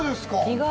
意外。